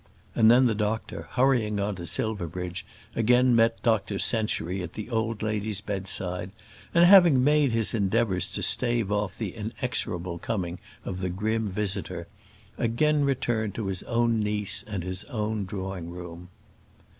And then the doctor, hurrying on to Silverbridge, again met Dr Century at the old lady's bedside, and having made his endeavours to stave off the inexorable coming of the grim visitor, again returned to his own niece and his own drawing room.